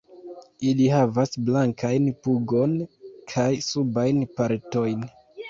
Ili havas blankajn pugon kaj subajn partojn.